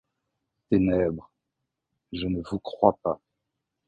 Ténèbres, je ne vous crois pas !